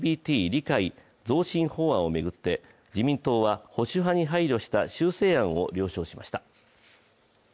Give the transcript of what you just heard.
理解増進法案を巡って自民党は保守派に配慮した修正案を了承しました。